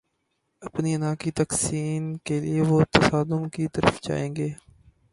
اپنی انا کی تسکین کے لیے وہ تصادم کی طرف جائیں گے۔